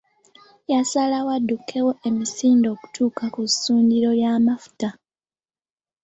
Yasalawo addukewo misinde okutuuka ku ssundiro ly’amafuta.